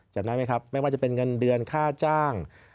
จำได้ไหมครับไม่ว่าจะเป็นเงินเดือนค่าจ้าง